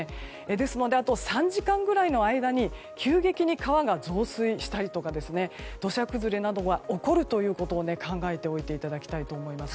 ですのであと３時間ぐらいの間に急激に川が増水したりとか土砂崩れなどが起こることを考えておいていただきたいと思います。